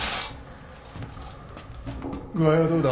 具合はどうだ？